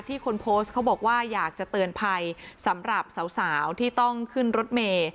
คนโพสต์เขาบอกว่าอยากจะเตือนภัยสำหรับสาวที่ต้องขึ้นรถเมย์